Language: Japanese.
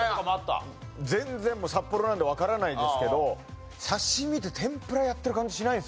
全然札幌なんでわからないですけど写真見て天ぷらやってる感じしないんですよね。